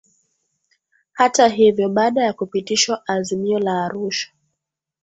Hata hivyo baada ya kupitishwa Azimio la Arusha